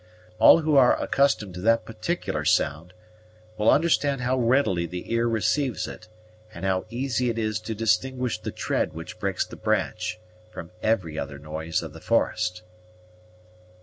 All who are accustomed to that particular sound will understand how readily the ear receives it, and how easy it is to distinguish the tread which breaks the branch from every other noise of the forest.